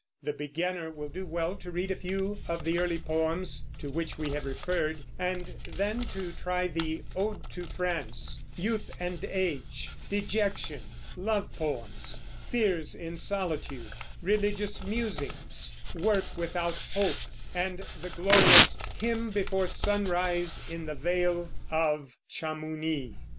The beginner will do well to read a few of the early poems, to which we have referred, and then try the "Ode to France," "Youth and Age," "Dejection," "Love Poems," "Fears in Solitude," "Religious Musings," "Work Without Hope," and the glorious "Hymn Before Sunrise in the Vale of Chamouni."